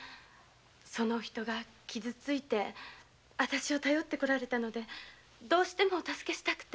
そのお人が傷ついてあたしを頼って来られたのでどうしてもお助けしたくて。